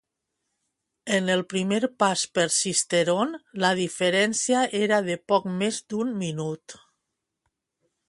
En el primer pas per Sisteron la diferència era de poc més d'un minut.